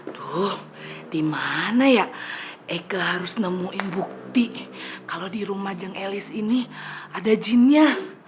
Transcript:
tuh dimana ya eka harus nemuin bukti kalau di rumah jeng elis ini ada jinnya